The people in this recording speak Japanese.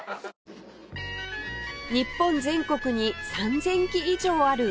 日本全国に３０００基以上ある灯台